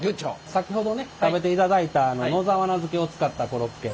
先ほどね食べていただいた野沢菜漬けを使ったコロッケ。